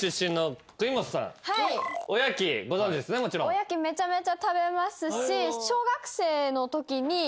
おやきめちゃめちゃ食べますし。